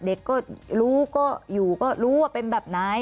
เด็กก็รู้รู้ว่าเป็นแบบไหน